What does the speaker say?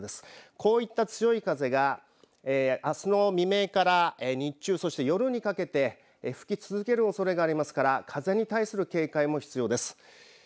こういった強い風があすの未明から日中そして夜にかけて吹き続けるおそれがありますから風に対する警戒も必要です。